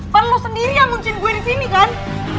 kan lo sendiri yang ngunciin gue di sini kan